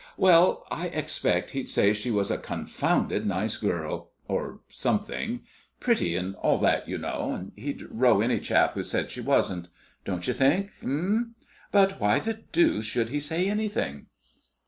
Well, I expect he'd say she was a confounded nice girl or something pretty and all that, you know and he'd row any chap who said she wasn't; don't you think, eh? But why the deuce should he say anything?"